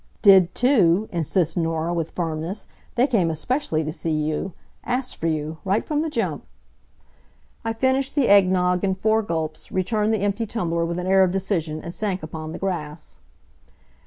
"Did too," insists Norah, with firmness, "they came especially to see you. Asked for you, right from the jump." I finished the egg nogg in four gulps, returned the empty tumbler with an air of decision, and sank upon the grass.